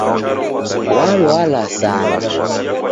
Walwala sana